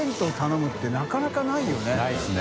ないですね